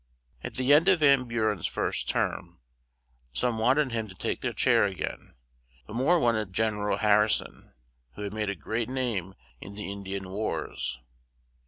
At the end of Van Bu ren's first term some want ed him to take the chair a gain; but more want ed Gen er al Har ri son, who had made a great name in the In di an wars.